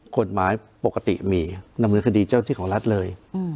ผลหมายปกติมีนำมือคดีเจ้าพิธีของรัฐเลย